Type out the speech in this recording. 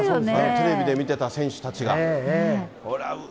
テレビで見てた選手たちが。